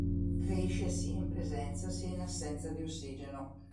Cresce sia in presenza sia in assenza di ossigeno.